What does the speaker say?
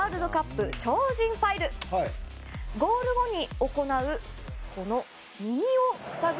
ゴール後に行うこの耳を塞ぐ